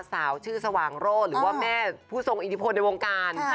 สาวชื่อสว่างโร่หรือว่าแม่ผู้ทรงอิทธิพลในวงการ